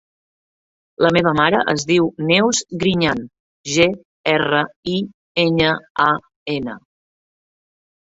La meva mare es diu Neus Griñan: ge, erra, i, enya, a, ena.